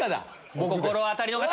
お心当たりの方！